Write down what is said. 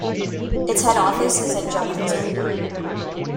Its head office is in Johannesburg.